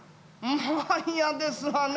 まあ嫌ですわね。